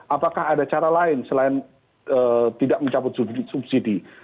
apakah ada cara lain selain tidak mencabut subsidi